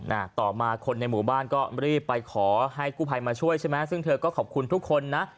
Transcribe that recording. อ่าต่อมาคนในหมู่บ้านก็รีบไปขอให้กู้ภัยมาช่วยใช่ไหมซึ่งเธอก็ขอบคุณทุกคนนะ